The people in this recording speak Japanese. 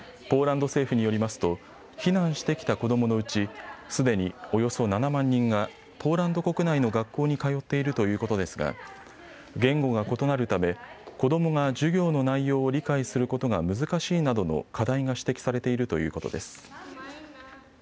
ポーランド政府によりますと避難してきた子どものうちすでにおよそ７万人がポーランド国内の学校に通っているということですが言語が異なるため子どもが授業の内容を理解することが難しいなどの課題が指摘されているということです。